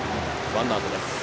ワンアウトです。